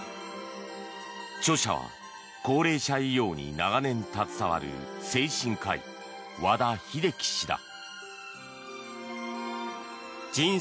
著者は高齢者医療に長年携わる精神科医和田秀樹氏だ。